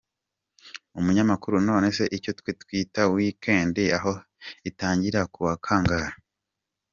Umunyamakuru: None se icyo twe twita week end aho itangira ku wa kangahe?.